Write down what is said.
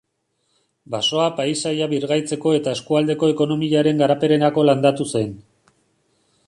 Basoa paisaia birgaitzeko eta eskualdeko ekonomiaren garapenerako landatu zen.